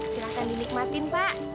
silahkan dinikmatin pak